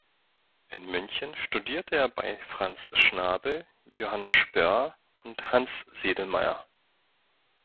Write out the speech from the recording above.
In München studierte er bei Franz Schnabel, Johannes Spörl und bei Hans Sedlmayr.